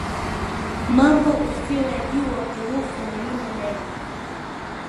mambo usioyajua kuhusu mlima Meru